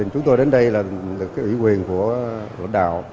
chúng tôi đến đây là cái ủy quyền của lãnh đạo